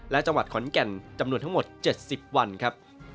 และจังหวัดขอนแก่นจำนวนทั้งหมด๗๐วันครับ